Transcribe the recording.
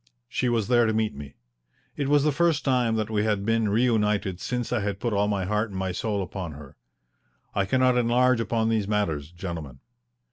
She was there to meet me. It was the first time that we had been reunited since I had put all my heart and my soul upon her. I cannot enlarge upon these matters, gentlemen.